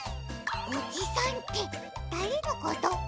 おじさんってだれのこと？